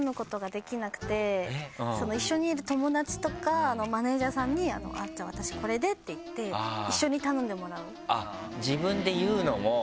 一緒にいる友達とかマネジャーさんに「じゃあ私これで」って言って一緒に頼んでもらう。